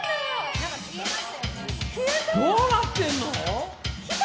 どうなってんの？